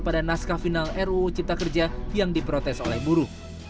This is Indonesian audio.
pada naskah final ruu cipta kerja yang diprotes oleh buruh